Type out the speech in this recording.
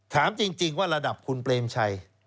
ถามจริงว่าระดับคุณเปรมชัย